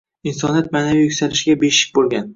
Insoniyat ma’naviy yuksalishiga beshik bo‘lgan.